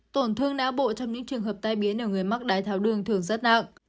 tổn thương ná bộ trong những trường hợp tai biến để người mắc đài tháo đường thường rất nặng